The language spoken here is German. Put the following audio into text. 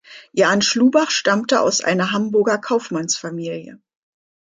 Jan Schlubach stammte aus einer Hamburger Kaufmannsfamilie.